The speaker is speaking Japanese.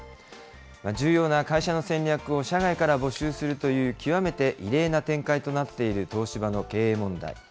重要な会社の戦略を社外から募集するという極めて異例な展開となっている東芝の経営問題。